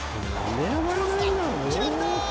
決まった！